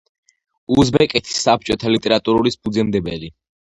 უზბეკეთის საბჭოთა ლიტერატურის ფუძემდებელი.